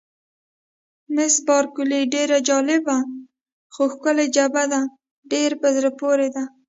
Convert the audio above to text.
مس بارکلي: ډېره جالبه، خو ښکلې جبهه ده، ډېره په زړه پورې ده.